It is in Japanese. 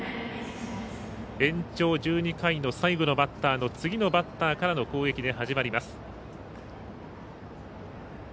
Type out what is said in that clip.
延長１２回の最後のバッターの次のバッターからの攻撃で始まります。